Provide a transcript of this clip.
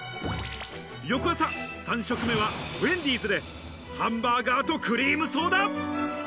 翌朝３食目はウェンディーズでハンバーガーとクリームソーダ！